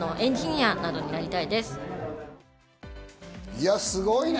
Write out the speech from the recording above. いや、すごいね！